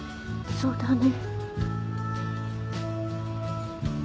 そうだね。